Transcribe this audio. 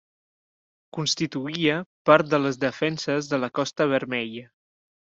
Constituïa part de les defenses de la Costa Vermella.